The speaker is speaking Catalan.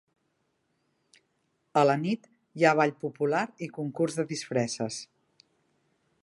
A la nit hi ha ball popular i concurs de disfresses.